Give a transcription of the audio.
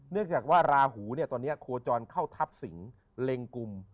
เนื่องจากว่าลาหูตอนนี้โคจรเข้าทับสิงศ์เล็งกุม